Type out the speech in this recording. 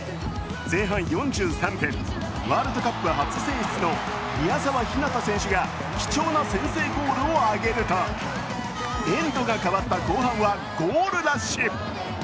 前半４３分、ワールドカップ初選出の宮澤ひなた選手が貴重な先制ゴールを挙げるとエンドがかわった後半はゴールラッシュ。